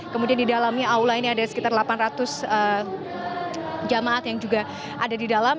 kemudian di dalamnya aula ini ada sekitar delapan ratus jemaat yang juga ada di dalam